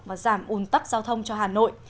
và giảm ồn tắc giao thông cho hà nội